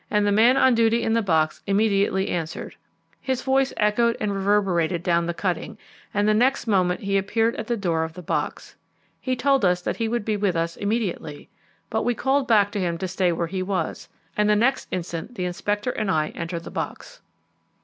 The man on duty in the box immediately answered. His voice echoed and reverberated down the cutting, and the next moment he appeared at the door of the box. He told us that he would be with us immediately; but we called back to him to stay where he was, and the next instant the Inspector and I entered the box.